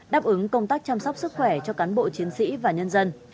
đáp ứng công tác chăm sóc sức khỏe cho cán bộ chiến sĩ và nhân dân